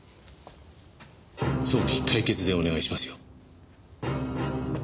早期解決でお願いしますよ。